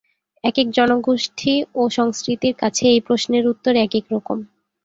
একেক জনগোষ্ঠী ও সংস্কৃতির কাছে এই প্রশ্নের উত্তর একেক রকম।